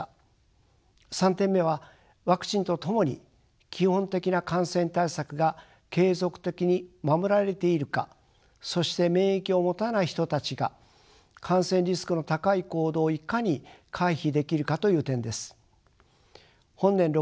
３点目はワクチンと共に基本的な感染対策が継続的に守られているかそして免疫を持たない人たちが感染リスクの高い行動をいかに回避できるかという点です。